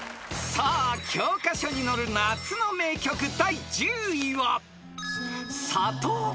［さあ教科書に載る夏の名曲第１０位は］